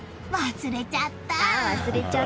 忘れちゃった？